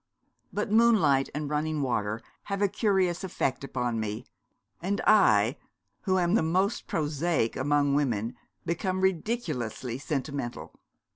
But moonlight and running water have a curious effect upon me; and I, who am the most prosaic among women, become ridiculously sentimental.'